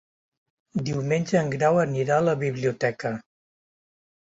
Diumenge en Grau anirà a la biblioteca.